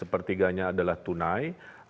satu per tiga nya adalah tunai